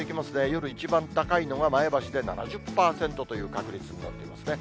夜一番高いのが、前橋で７０％という確率になってますね。